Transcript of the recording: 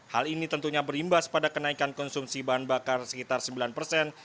hal ini tentunya berimbas pada kenaikan konsumsi bahan bakar sekitar sembilan persen